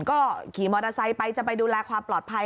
ก็ขี่มอเตอร์ไซค์ไปจะไปดูแลความปลอดภัย